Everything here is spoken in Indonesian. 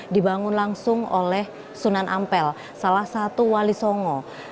seribu empat ratus dua puluh satu dibangun langsung oleh sunan ampel salah satu wali songo